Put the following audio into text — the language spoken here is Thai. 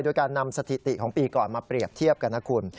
โดยการนำสถิติของปีก่อนมาเปรียบเทียบกันนะคุณ